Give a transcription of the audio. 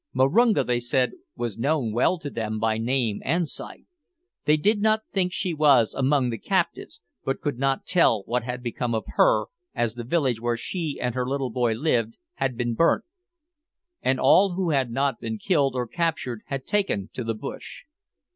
Marunga, they said, was known well to them by name and sight. They did not think she was among the captives, but could not tell what had become of her, as the village where she and her little boy lived had been burnt, and all who had not been killed or captured had taken to the bush.